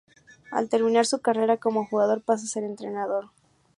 Al terminar su carrera como jugador, pasa a ser entrenador.